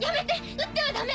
撃ってはダメ！